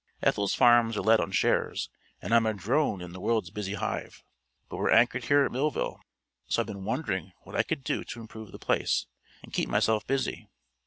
Ethel's farms are let on shares and I'm a drone in the world's busy hive. But we're anchored here at Millville, so I've been wondering what I could do to improve the place and keep myself busy.